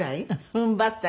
踏ん張って？